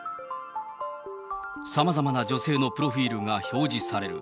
さまざまな女性のプロフィールが表示される。